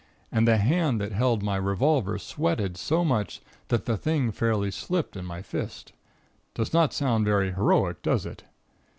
And the hand that held my revolver sweated so much, that the thing fairly slipped in my fist. Does not sound very heroic, does it?